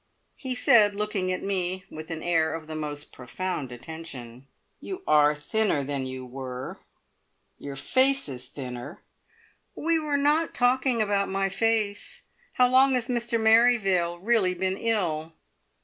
He said, looking at me with an air of the most profound attention: "You are thinner than you were. Your face is thinner " "We were not talking about my face. How long has Mr Merrivale really been ill?"